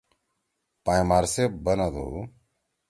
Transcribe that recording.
پائں مار صیب بنَدُو: